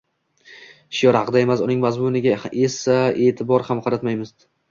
shior haqida emas, uning mazmuniga esa e’tibor ham qaratmaydi.